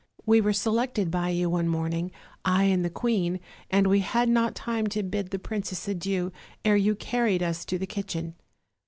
We were selected by you one morning, I and the queen; and we had not time to bid the princess adieu, ere you carried us to the kitchen.